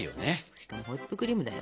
しかもホイップクリームだよ。